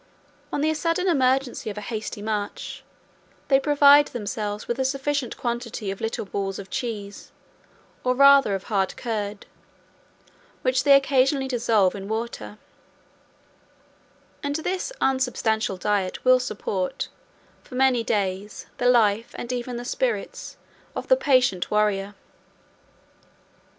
On the sudden emergency of a hasty march, they provide themselves with a sufficient quantity of little balls of cheese, or rather of hard curd, which they occasionally dissolve in water; and this unsubstantial diet will support, for many days, the life, and even the spirits, of the patient warrior.